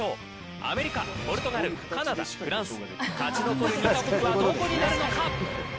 アメリカ、ポルトガルカナダ、フランス勝ち残る２カ国はどこになるのか。